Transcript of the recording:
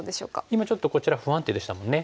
今ちょっとこちら不安定でしたもんね。